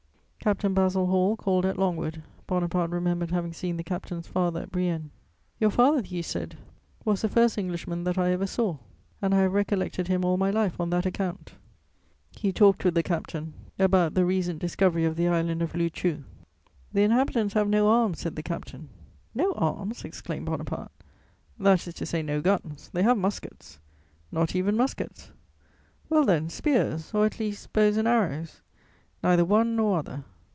Captain Basil Hall called at Longwood; Bonaparte remembered having seen the captain's father at Brienne: "Your father," he said, "was the first Englishman that I ever saw; and I have recollected him all my life on that account." He talked with the captain about the recent discovery of the island of Loo Choo: "The inhabitants have no arms," said the captain. "No arms!" exclaimed Bonaparte. "That is to say no guns: they have muskets?" "Not even muskets." "Well, then, spears, or at least, bows and arrows?" "Neither one nor other."